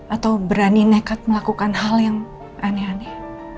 atau berani nekat melakukan hal yang aneh aneh